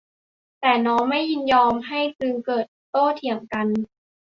แต่น้องไม่ยินยอมให้จึงเกิดโต้เถียงกัน